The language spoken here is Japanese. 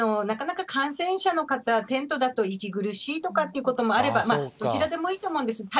なかなか感染者の方、テントだと息苦しいとかっていうこともあれば、どちらでもいいと思うんです。